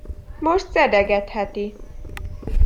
Most szedegetheti!